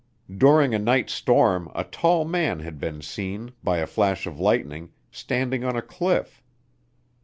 During a night storm a tall man had been seen, by a flash of lightning, standing on a cliff.